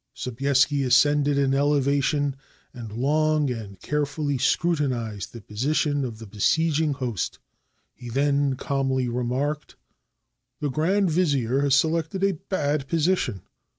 Sobieski ascended an elevation, and long and carefully 314 HOW JOHN SOBIESKI SAVED VIENNA scrutinized the position of the besieging host. He then calmly remarked, — "The grand vizier has selected a bad position.